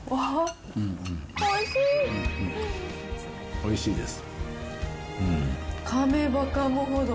おいしいです。